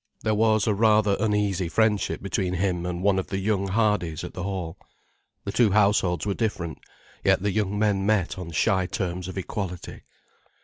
There was a rather uneasy friendship between him and one of the young Hardys at the Hall. The two households were different, yet the young men met on shy terms of equality.